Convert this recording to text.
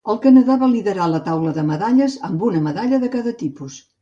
El Canadà va liderar la taula de medalles amb una medalla de cada tipus.